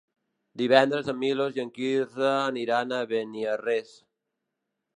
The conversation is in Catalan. Divendres en Milos i en Quirze aniran a Beniarrés.